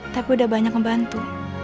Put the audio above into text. tapi udah banyak ngebantu